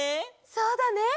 そうだね。